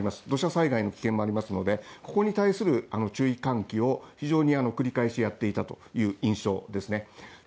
土砂災害の危険もありますので、ここに関する注意喚起を引き続きやっていたという印象ですね。